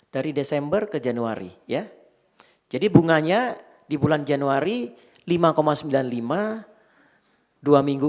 dari desember ke januari ya jadi bunganya di bulan januari lima sembilan puluh lima dua minggu